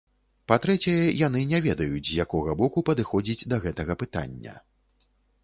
Па-трэцяе, яны не ведаюць з якога боку падыходзіць да гэтага пытання.